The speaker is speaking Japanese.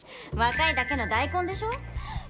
若いだけの大根でしょ。